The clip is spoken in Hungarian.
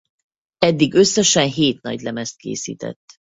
Eddig összesen hét nagylemezt készített.